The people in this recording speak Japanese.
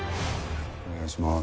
お願いします。